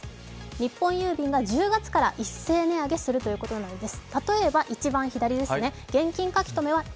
日本郵便が１０月から一斉値上げするということなんです。